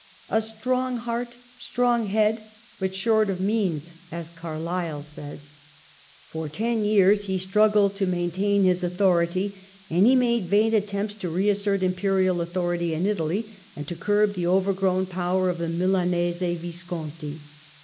" A strong heart, strong head, but short of means," as Carlyle 126 THE END OF THE MIDDLE AGE says. For ten years he struggled to maintain his author ity, and he made vain attempts to re assert Imperial authority in Italy and to curb the overgrown power of the Milanese Visconti.